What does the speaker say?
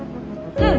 うん。